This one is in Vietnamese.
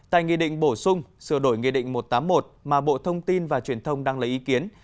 tại nghị định bổ sung sửa đổi nghị định một trăm tám mươi một mà bộ thông tin và truyền thông đăng lấy ý kiến